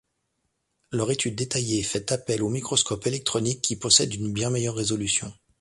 Leur étude détaillée fait appel au microscope électronique qui possède une bien meilleure résolution.